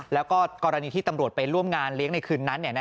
แล้วก็กรณีที่ตำรวจไปร่วมงานเลี้ยงในคืนนั้น